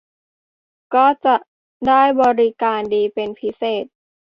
ก็จะได้บริการดีเป็นพิเศษ